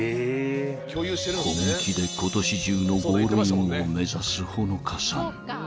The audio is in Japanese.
［本気で今年中のゴールインを目指すほのかさん］